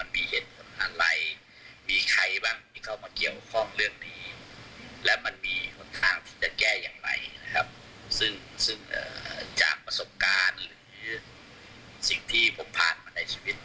มีทางที่จะแก้อย่างไรนะครับซึ่งจากประสบการณ์หรือสิ่งที่ผมพลาดมาในชีวิต